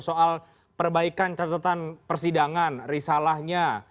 soal perbaikan catatan persidangan risalahnya